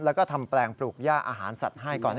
แล้วก็ทำแปลงปลูกย่าอาหารสัตว์ให้ก่อน